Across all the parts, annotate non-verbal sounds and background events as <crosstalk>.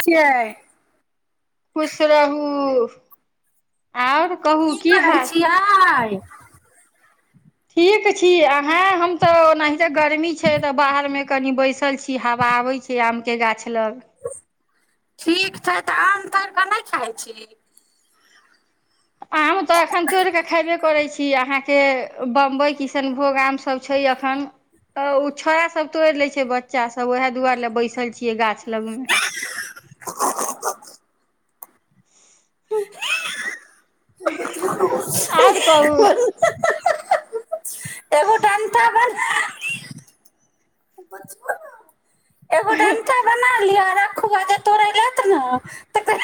छै खुश रहहू की करै हाल छियै आ ठीक छी अहे हम तऽ ओनाहिते गर्मी छै तऽ बाहरमे कनि बैसल छी हवा आबैत छै आमके गाछ खेलग ठीक छै तऽ आम तरि कऽ नहि खाइ छी आ हम तऽ एखन तोड़ि कऽ खयबे करैत छी अहाँ के बं्बई किशनभोग आम सब छै अखन त ओ छौड़ा सब तोड़ ले छै बच्चा सब उएहे दुआरे ले बैसल छै कि गाछ लगमे हीं हीं आओर कहू ह ह एगो टानताब हीं हीं हह एगो डंटा बना लियअ र खूजा तोरा ल त ने तऽ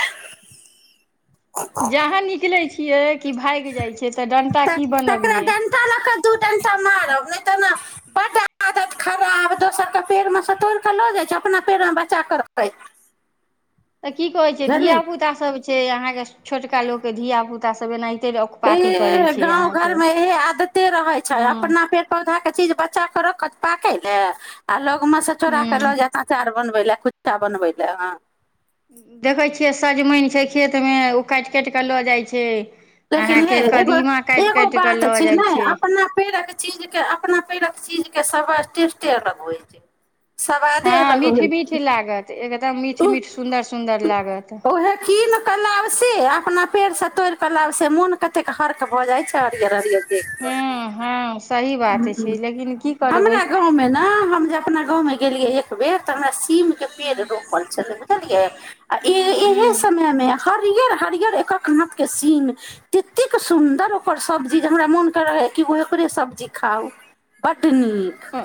जहाँ निकलै छै कि ए की भागि जाइ छै तऽ डणटा की तकरा बनबियै डंटा लऽ कऽ दू डंटा मारब नहि तऽ ने बड आदत खराब दोसरके पेड़मे सँ तोड़ि कऽ लऽ जाइ छै अपना पेड़मे बचा कऽ रखै तऽ की कहे छै धिय बुझलि पुता सब छै य यहाँ के छोटका लोग के धिया पुता सब एना इह गाँव घरमे इहे आदते रहैत छै हूं अपना पेड़ पौधाक के चीज बच्चा राखे छै पाकेला आ लोक से उय मे स चोरा के हूं लऽ जायता अचार बनबै लए खुच्चा बनबै लए हँ देखैत छियै सजमनि छै खेतमे ओ काटि काटि कऽ लऽ जाइत छै लेकिन हे अहाँके एगो कदीमा काटि एगो काटि कऽ बात लऽ छै जाइ ने अपना पैरक चीजके अपना पैरक चीज सब टिस्टे अलग होइ छै सवादे हँ अलग मीठ होइ मीठ लागत एकदम मीठ छै मीठ सुन्दर सुन्दर लागत उहे की ने कलाब से आ अपना पेड़सँ तोड़िकऽ कलाब से मोन कतेक हर्क भऽ जाय छै हरियर हरियर देख कें हँ हँ सही बात छै ह लेकिन की करबै हमरा गाँव मे ने हम जे अपना गाँव मे गेलियै एक बेर तऽ नीम के पेड़ हूं रोपल छल खेलिय ई हूं हूं इह समयमे हरियर हरियर एकक हाथ के सीन ततेक सुंदर ओकर सब्जी जे हमरा मोन करे हे कि ओ एकरे सब्जी खाउ ब ओ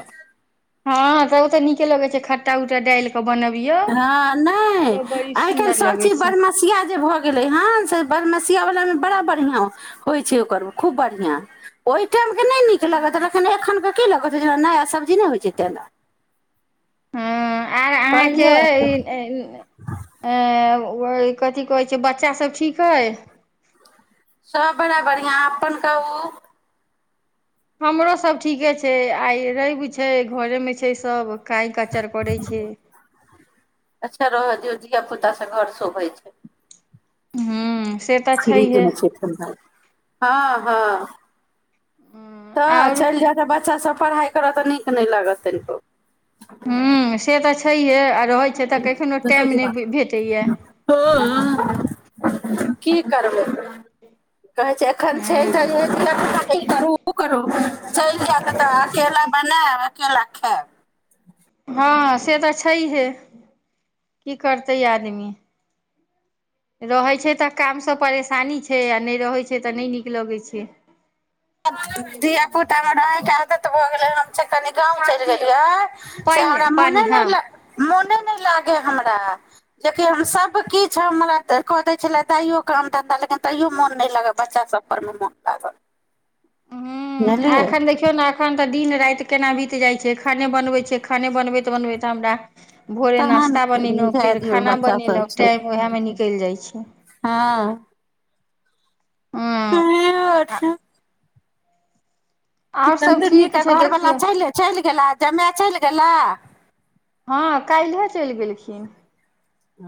हँ त ओ त ने लगे छै खटटा उट्टा डालिक हँ नहि बड़ी आइ काल्हि सुन्दर लगै सभचीज छै बारमसियाा जे भऽ गेलै हन से बदमसियावलामे बड़ा बढ़िआँ होइ छै ओकर खूब बढ़िआं ओहि टाइम नहि नीक लगत एखन के लए जेना नया सब्जी नहि होइ छै तेना हँ आर अहाँके सहिए बात छै ओ कथि कहै छै बच्चा सभ ठीक हइ सब बड़ा बढ़िआँ अपन कहू हमरोसभ ठीके छै आइ रव भ छै घरेमे छै सभ अच्छा रोज धिय पुता से घर शोभै छै हू खरीतमे छैठन भइ हँ हँ तऽ आओर चलि जाता बच्चा सब पढ़ाइ करऽ तऽ नीक नहि लागत तनो ह से तऽ छैहे रहै छै तऽ कखनो टाइम नहि भेटैया की करबै कहै छै एखन छै हँ करू ओ करू चलि जाय तऽ अकेला बनाब एक लाख हँ से तऽ छैहे की करतै आदमी रहैत छै तऽ कामसँ परेशानी छै आ नहि रहैत छै तऽ नहि नीक लगैत छै धियिया पुता बड त भऽ गेले हमस कनी गांव चलि गेलियै से पानि हमरा पानि मने नहि हँ म नहि नहि लागय हमरा जेकि हम सभकिछु हमरा कऽ दै छलै तइयो काम धन्धा लेकिन तैयो मोन नहि लागय बच्चा सभ पर मे मोन लागल ह बुझलियै आखणन देखियौ ने आखण त दिन राति केना बीत जाइ छै खाने बनबै छियै खाने बनबैत बनबैत हमरा भोरे तहन नाश्ता की बनेलहुँ जाय फेर दियौ खाना बच्चा सब बनेलहुँ छै टाइम ओएह मे निक कयल जाइत छै हँ ती हँ आ छै आओर सभ ठीक नन्दगीके छै घरवला देखियौ च चलि गेला जमााय चलि गेला हँ काल्े चलि गेलखिन ह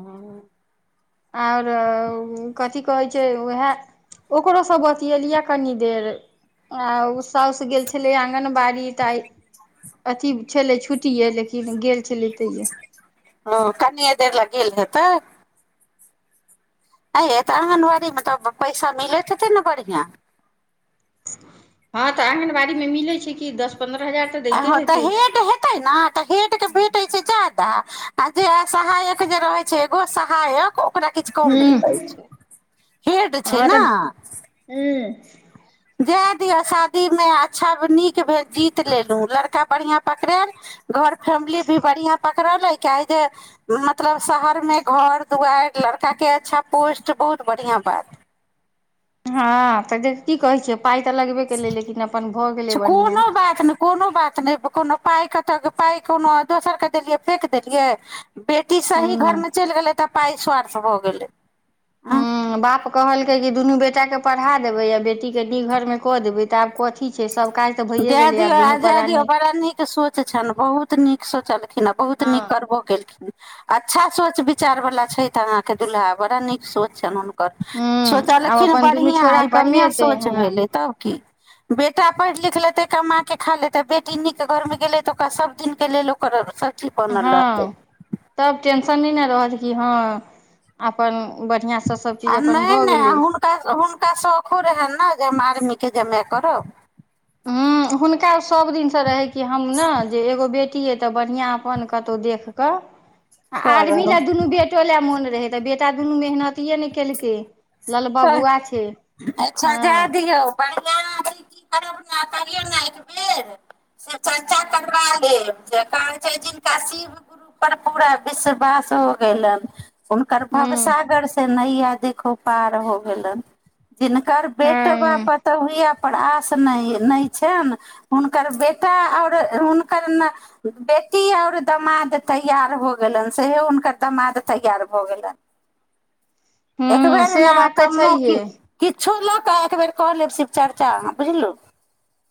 आओर कथिी कहैत छै उएह ओकरोसँ बतएेलियै कनि देर आ ओ सासुस गेल छलै आङगनबाड़ी तऽ अथी छलै छुट्टीे लेकिन गेल छलै तऽ तहिए ह कन य देर ल गेलल ह तऽ ह ये तऽ आङ्गनबाड़ीमे तब पैसा मिलैत हेतन ने बढ़िआँ हँ तऽ आङगनबाड़ी मे मिलैत छै कि दस पन्द्रह हजार तऽ दैते आ तऽ हेतै हेट हेतै ने तऽ हे के भेटैत छै च आ जे सहायक जे रहै छै एगो सहायक ओकरा किछ कम मैटै हूँ छै हेड छै हँ ने तऽ हूँ जाए दिअ शादीमे अच्छा नीक भेल जीत लेलहुँ लड़का बढ़िआँ पकड़ायल घर फैमिली भी बढ़िआँ पकड़ल अइ काह जे मतलब शहरमे घर दुआरि लड़काके अच्छा पोस्ट बहुत बढ़िआँ बात हँ तऽ देख की कहै छियै पाइ तऽ लगबे केलै लेकिन अपन भऽ से गेलै बढ़िआँ कोनो बात नहि कोनो बात नहि कोनो पाइ कत पाइ कोनो दोसर के देलियै फेक देलियै बेटी हूँ सही घरमे मे चलि गेलै तब पैस सवार्थ भ गेल ह बाप कहलकै जे दुनू बेटा कें पढ़ा देबै आ बेटीकेट घरमे कऽ देबै तऽ आब कथी छै सब काज तऽ भइए दा गेलै आब दुनू दियऔ दहा दियऔ प्राणी बड़ा नीक सोच छनि बहुत नीक एक सए चालीस बहुत हँ नीक करबो केलखिन अच्छा सोच उचार वालला छथि अहाँ के द दुल्हा बड़ा नीक सोच छनिु हूँ आब सोचलखिन अपन दुनू बढ़िआँ छोरा ई बढ़िआँ कमेतै सोच हँ भेलै तब की बेटा पढ़ि लिख देख लेतै क माँ के खा लेते बेटी नीक घर मे गेले त ओकरा सब दिन के लेल ओकर चीज बनल रहतै हँ तब ेंशनी ने हँ अपन बढ़िआँसँ सभचीज आ अपन नहि भऽ नहि गेलै हुनका हुनका शौखो रहनि ने जे हम आर्मी के जमा कर ह हुनका सब दिन से रहे क हम ने जे एगो बेटी खतियै तऽ बढ़िआँ अपन कतहु देख कऽ आर्मी ले करब दुनू बेटो ले मोन रहे तऽ बेटा दुनू मेहनतिे ने केलकै लल बबुआ छै अच्छा हँ जाादौ बढ़िआ अपना करौ ने एकबेर से चर्चा करवा लेब जे कहै छै जिनका शिव गुरु पर पूरा विश्वास हो गेलन कोन करबाब हूँ साागर से नहि य देखो पार हो गेलनि जिनक बेट ब हँ पताऽ ही पर आश नहि नहि छनि हुनकर बेटा आओर हुनकर ने बेटी आओर दमाद तैयार भऽ गेलनि सेहो हुनकर दमाद तैयार भऽ गेलनि एक ह बेर से ने बात कमो कि छहिये किछो लऽ कऽ एकबेर कऽ लेब शिव चर्चा बुझलू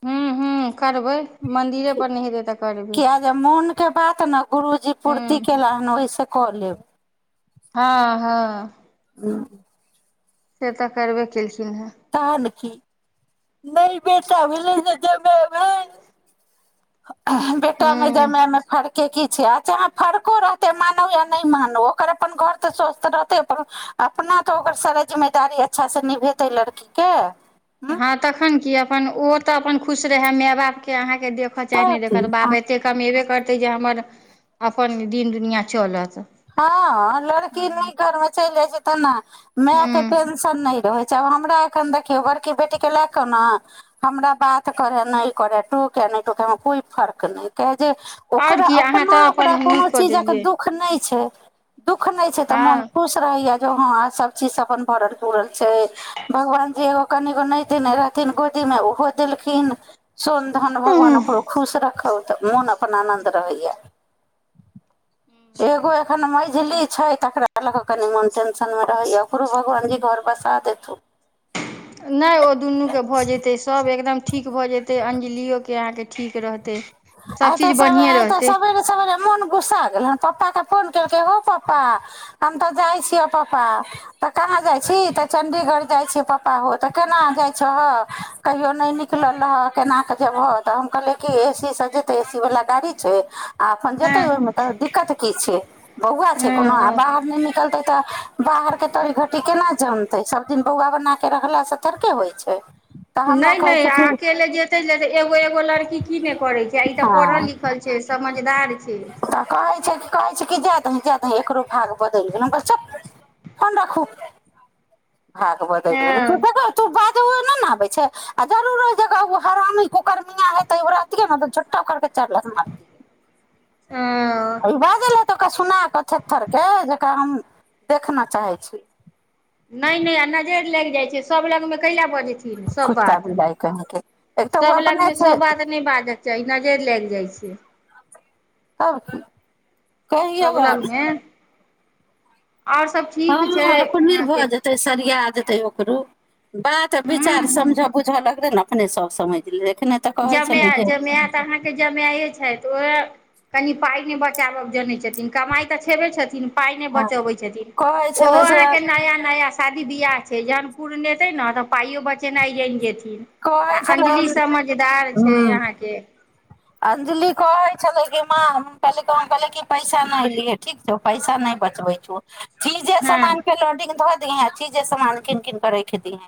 हू हू करबै मंदिरे पर नइ हेतै तऽ करबै किया जे मोन के बात न गुरुजी पूर्ति हूँ केला हन ओहिसँ क लेब हँ हँ हू से तऽ करबे केल तहन की नहि बेटा भेल नइ जमेय भेल बेटा मे हूँ जमेय मेे फर्क के की छै अच्छा अहाँ फरको रहतै मानू या नहि मानू ओकर अपन घर तऽ स्वस्थ रहतै अपन अपना तऽ ओकर सारा जिम्मेदारी अच्छा से निभेतै लड़की के हँ तऽ तखन की अपन उहो त अपन खुश रहै मेय बाप केऽ आहाँ देखत चाहे तऽ नहि देखत की बाप एते कमेबे करते जे हमर अपन दिन दुनिया चलत हँ लड़की हूँ निक घरमे चलि जाइ छै तना मैय के हूँ टेंशन नइ रहै जब हमरा एखन देखियो बड़की बेटी के लए के न हमरा बात करे नहि करे टोके नइ टोके हमरा कोई फर्क नइ जे ओकर आओर की अहाँ अपना तऽ अपन ओकरा कोनो नीक कऽ चीजक देलियै दुःख नइ छओ दुःख नैय छै तऽ मोन हँ खुश रहै यह जो हँं सभचीज अपन भरल पूरल छै भगवान जी एगो कनिगो नइ देने रहथिन गोदी मे ओहो देलखिन सोन धन भगवान ओकरो खुश रखौ तऽ मोन अपना आनन्द रहै य एगो एखन मझली छै तकरा लऽ कऽ कनि मोन टेंशन मे रहै य ओकरो भगवानजी घर बसा देथु नहि ओ दुनूके भऽ जतै सभ एकदम ठीक भऽ जेते अंजलियो के आहाँ जे ठीक रहतै सब आइ त चीज सबे बढ़िए आइ रहतै सबरे सबेरे मोन गुस्सा गेल हन पपा के फोन केलकै एगो हो पपा हम तऽ जाय छियअ पपा तऽ कहाँ जाइ छी तऽ चणडीगढ़ जाइ छी पपा हो तऽ केना जाइ छहअ कहियो नइ निकलल रहअ केना कऽ जेब ह तऽ हम कहैलिए की ए सी सँ जे त एसी वालला गाड़ी छै आ अपनन जेतै हँ ओहिमे तऽ दिक्कत किछु बौआ छै हँ कोनो आ हँ बाहर नहि निकलतै तऽ बाहरके तोरी घटी केना जानतै सभदिन बौआ बना कऽ रखलासँ थड़के होइ छै तऽ हमरा नहि कहै नहि छै आ कि अकेले जेतै ल त एगो एगो लड़की की नहि करैत छै पढ़ल लिखल छै समझदारी उ तऽ कहै छै कहै छै कि जाय द हीं जाय दी एकरो भाग बदलि गेल बस फन राखू आ बै हँ बदेखु बात ओ नहि ने आबै छै आ जरूर ओहि जगह हरानी कुकर मिय हेतै रहतियै ने तऽ झोटटा ओकर चारि लाख मारतियै अ अभी भाए गेल सुना कऽ छ्थर के जकरा हम देखना चाहै छी न न आ नजरिर लागि जाय छै सब लग में कला बजैत छै सब कुत्ता बात बिलाइ कहींके एक तऽ ओ सब लग अपने मे छै सब बात नहि बाजै छै नजरि लाग जाइ छै ज हँ सब लागमे हँ अपने अहाँके भऽ जेतै सरिया देतै ओकरो बात हूँ विचार हूँ समझऽ बुझऽ लगतै ने सब समय दिलैथ जमाय जमय तऽ अहाँके जमाायए छै तऽ ओएह कनि पाइ नहि बचाबके जनै छथिन कमाइ तऽ छेबे छथिन पाय नै हँ, बचबै छथिन कहै ओहो छलै से अहाँ कें नया नया शादी बियाह छै जहन पुर नेतै ने तऽ पाइो बचेनाइ जानि जेतै आ कहै छलै अंजलि हम समझ ठेदार छै हँ यहाँके अंजलि कहै छलै कि माँ कहल कहलिय कि पैसा नहि लिे ठीक छौ पैसा नहि बचबै छौ चीजे हँ सामान कें लोंडीग भ सेहा अ चीजे सान कीन कीनऽ राइख दिहीं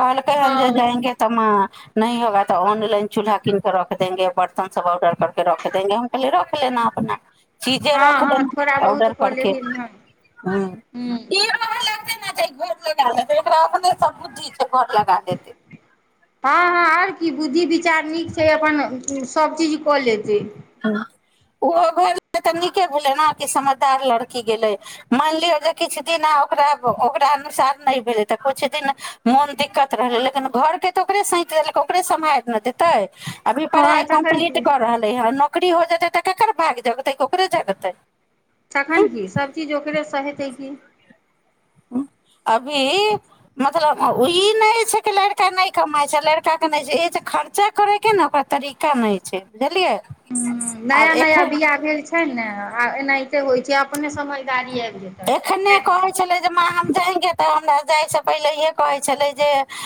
कहलकै हन जे हँ जाएंगे तमा न होगाऽ ऑनलाइन चूल्हा कीनके रख देंगे ब हम सब ऑर्डर करके रखे देंगे हम कहली रख लेना अपना चीजे रख हँ हँ देलहु थोड़ा बहुत पाउडर कऽ कर के लेथिन हँ <unintelligible> हूँ त घर लगा देत कि बुद्धि विचार नीक छै अपन सभ चीज कऽ लेतै ह ओहो घर तऽ नीके भेलै ने कि समझदार लड़की गेलै मानि लियौ जे किछु दिन आ ओकरा ओकरा अनुसार नहि भेलै तऽ किछु दिन मोन दिक्कत रहलै लेकिन घरके तऽ ओकरे सैत देलकै ओकरे सम्हारि ने देतै अभी हँ पढ़ाई तखन कम्प्लीट की कर रहले ह न ओकरी हो जेतै तऽ केकर भाग जगतै ओकरे जगतै तखन हूँ की सब चीज ओकरे स हैत ेक अभी मतलब ई नहि छै कि लड़का नहि कमाइ छै लड़काके नहि छै ई जे खर्चा करयके ने ओकर तरीका नहि छै बुझलियै नया आब नया एखन बिआह भेल छै ने आ एनाहिते होइ छै अपने समझदारी जेतनि एखने काटि दियौ कहै छलै जे म हम जाएंगे तऽ हमरा जाइ से पहिले इहे कहै छलै जे